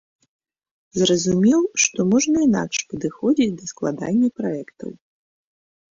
Зразумеў, што можна інакш падыходзіць да складання праектаў.